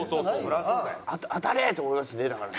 当たれと思いますねだから。